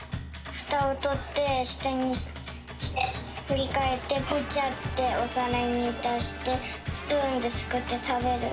ふたをとってしたにひっくりかえってブチャっておさらにだしてスプーンですくってたべる。